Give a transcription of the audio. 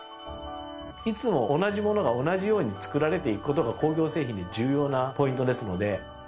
いつも同じものが同じように作られていくことが工業製品で重要なポイントですので。